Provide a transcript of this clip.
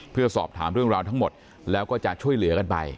เพื่อสอบถามเรื่องราวทั้งหมดแล้วก็จะช่วยเหลือกันไป